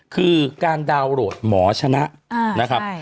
คือการดาวน์โหลดหมอชนะนะครับ